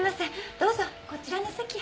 どうぞこちらの席へ。